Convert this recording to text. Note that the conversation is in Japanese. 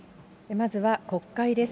まずは国会です。